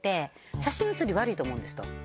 「写真写り悪いと思うんです」と。